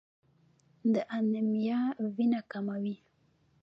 د انیمیا وینه کموي.